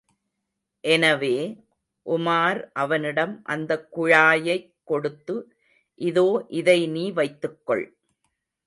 எனவே, உமார் அவனிடம் அந்தக் குழாயைக் கொடுத்து, இதோ இதை நீ வைத்துக்கொள்.